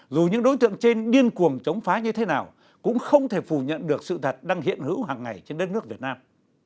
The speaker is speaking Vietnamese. dù những đối tượng trên điên cuồng chống phá như thế nào cũng không thể phủ nhận được sự thật đang hiện hữu hàng ngày trên đất nước việt nam